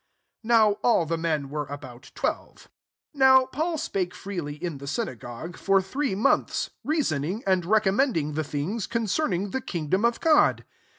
Now all the men were about velve. 8 NOW Paul spake freely I the synagogue, for three lonths, reasoning and recom mending the things concerning le kingdom of God.